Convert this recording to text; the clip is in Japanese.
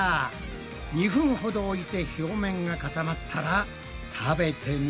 ２分ほど置いて表面が固まったら食べてみるぞ。